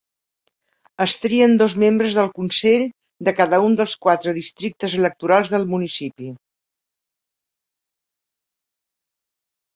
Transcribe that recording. Es trien dos membres del consell de cada un dels quatre districtes electorals del municipi.